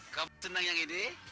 kamu senang yang ini